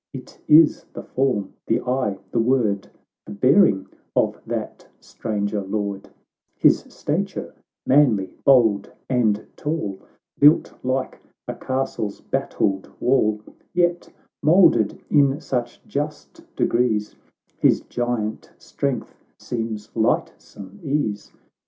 It is the form, the eye, the word, The bearing of that stranaer Lord ; His stature, manly, bold, and tall, Built like a castle's battled wall, Yet moulded in such just degrees, His giant strength seems lightsome ease.